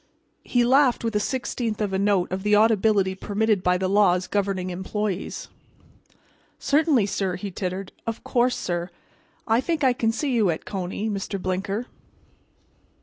He laughed within a sixteenth of a note of the audibility permitted by the laws governing employees. "Certainly, sir," he tittered. "Of course, sir, I think I can see you at Coney, Mr. Blinker."